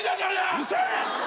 うるせえ！